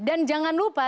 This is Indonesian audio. dan jangan lupa